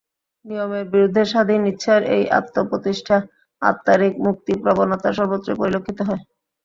নিয়মের বিরুদ্ধে স্বাধীন ইচ্ছার এই আত্মপ্রতিষ্ঠা, আত্মার এই মুক্তিপ্রবণতা সর্বত্রই পরিলক্ষিত হয়।